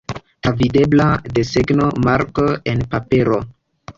Travidebla desegno, marko, en papero.